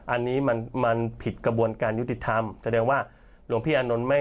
อันนี้มันผิดกระบวนการยุติธรรมแสดงว่าหลวงพี่อานนท์ไม่